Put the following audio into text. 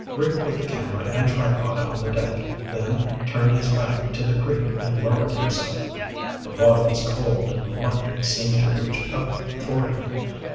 Rick put the camera and tripod on the deck, then turned his back to the creek and lowered himself. The water was cold and the muck seemed to reach up for him.